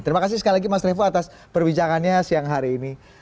terima kasih sekali lagi mas revo atas perbincangannya siang hari ini